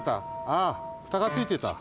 ああフタがついてた。